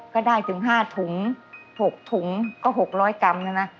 ก็ได้ถึง๕ถุง๖ถุงก็๖๐๐กรัมนะนะ